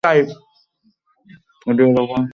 পৃথিবীর অপর প্রান্তে, যেখানে তুমি তোমার বাকি জীবন কাটাবে।